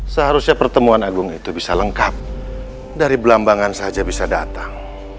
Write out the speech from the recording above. seharusnya pertemuan agung itu bisa lengkap dari belambangan saja bisa datang